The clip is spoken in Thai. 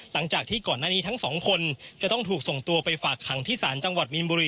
หลังจากที่ก่อนหน้านี้ทั้งสองคนจะต้องถูกส่งตัวไปฝากขังที่ศาลจังหวัดมีนบุรี